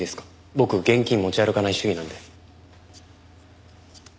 僕現金持ち歩かない主義なので。